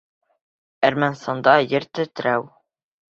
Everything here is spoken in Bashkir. Әрмәнстанда ер тетрәү.